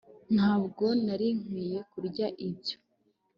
ntabwo nari nkwiye kurya ibyo